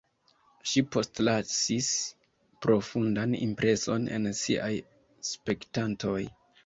Ŝi postlasis profundan impreson en siaj spektantoj.